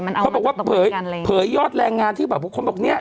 เขาบอกว่าเผยยอดแรงงานที่แบบทุกคนบอกเนี่ย